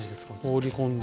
放り込んで。